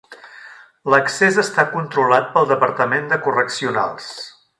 L'accés està controlat pel Departament de Correccionals.